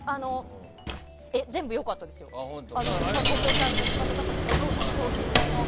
全部良かったですけどお子さんの育て方とかの等身大の。